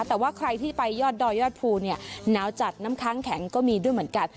แต่ว่าใครที่ไปยอดดอยยอดภูเนี่ยหนาวจัดน้ำค้างแข็งก็มีด้วยเหมือนกัน